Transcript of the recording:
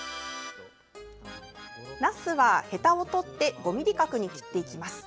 なすは、へたを取って５ｍｍ角に切っていきます。